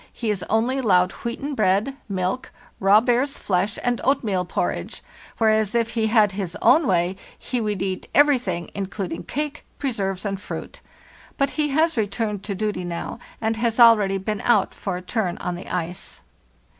He is only allowed wheaten bread, milk, raw bear's flesh, and oatmeal porridge; whereas if he had his own way he would eat everything, including cake, preserves, and fruit. But he has returned to duty now, and has already been out for a turn on the ice.